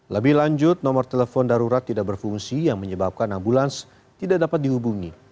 lebih lanjut nomor telepon darurat tidak berfungsi yang menyebabkan ambulans tidak dapat dihubungi